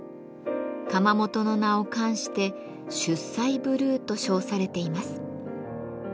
窯元の名を冠して「出西ブルー」と称されています。